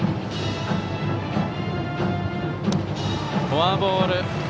フォアボール。